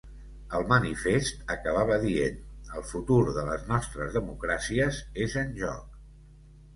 El manifest acabava dient: ‘El futur de les nostres democràcies és en joc.’